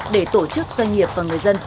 để tổ chức doanh nghiệp và người dân